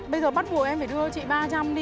bây giờ bắt buộc em phải đưa chị ba trăm linh đi